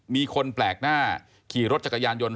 มีคนแปลกหน้าขี่รถจักรยานยนต์